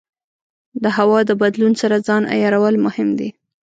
د هوا د بدلون سره ځان عیارول مهم دي.